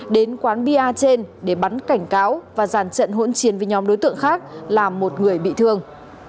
đến quán bia trên để bắn cảnh cáo và giàn trận hỗn chiến với nhóm đối tượng khác làm một người bị thương